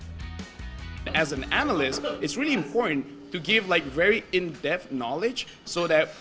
sebagai analis sangat penting untuk memberikan pengetahuan dalam dalam